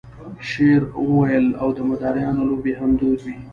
شعر ویل او د مداریانو لوبې هم دود وې.